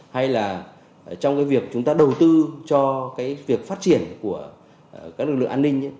hay là trong cái việc chúng ta đầu tư cho cái việc phát triển của các lực lượng an ninh